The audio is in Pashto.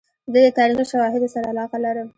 زه د تاریخي شواهدو سره علاقه لرم.